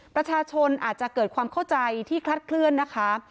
ประชาชนอาจจะเกิดความเข้าใจที่คลัดเคลื่อนนะคะ